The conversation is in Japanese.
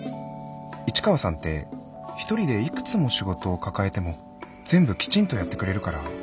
市川さんって一人でいくつも仕事を抱えても全部きちんとやってくれるから。